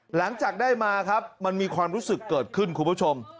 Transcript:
หลังจากได้มาครับมันมีความรู้สึกเกิดขึ้นคุณผู้ชม